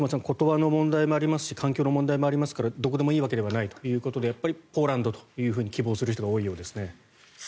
言葉の問題もありますし環境の問題もありますからどこでもいいわけではないということでやっぱり、ポーランドを希望する人が多いみたいですね。